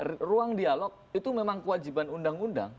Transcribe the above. kalau kemudian ruang dialog itu memang kewajiban undang undang